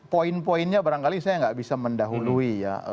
poin poinnya barangkali saya tidak bisa mendahului